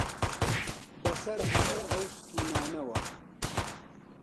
بەسەر هەموو ئەو ستوونانەوە